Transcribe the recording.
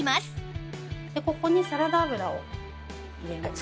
ここにサラダ油を入れます。